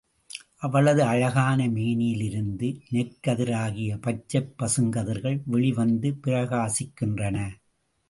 அவளது அழகான மேனியிலிருந்து நெற்கதிராகிய பச்சைப் பசுங்கதிர்கள் வெளிவந்து பிரகாசிக்கின்றன.